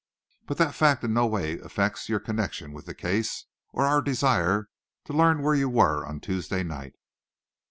But that fact in no way affects your connection with the case, or our desire to learn where you were on Tuesday night."